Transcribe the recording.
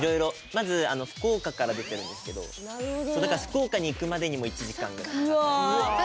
まず福岡から出てるんですけどそうだから福岡に行くまでにも１時間ぐらいかかった。